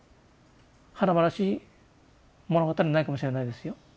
華々しい物語はないかもしれないですよ。